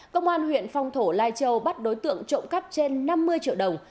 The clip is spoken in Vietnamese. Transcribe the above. công an huyện phong thổ lai châu bắt đối tượng trộm cắp trên năm mươi triệu đồng